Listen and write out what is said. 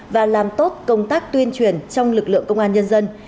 và làm tốt công tác tuyên truyền trong lực lượng công an nhân dân